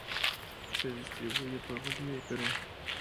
Se distribuye por Bolivia y Perú.